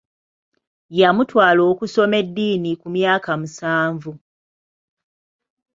Yamutwala okusoma eddiini ku myaka musanvu.